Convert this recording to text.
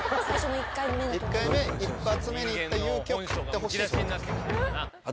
１回目、一発目にいった勇気を買ってほしいと。